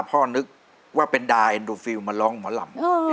นึกว่าเป็นดาเอ็นดูฟิลมาร้องหมอลำ